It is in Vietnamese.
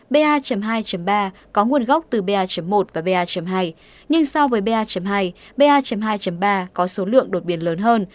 ba hai ba có nguồn gốc từ ba một và ba hai nhưng so với ba hai ba hai ba có số lượng đột biến lớn hơn